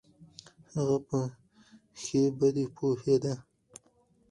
هغه په ښې بدې پوهېده.